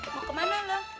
mau kemana lu